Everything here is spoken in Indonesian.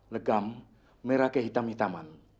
legam merah kehitam hitaman